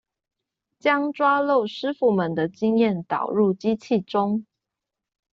將抓漏師傅們的經驗導入機器中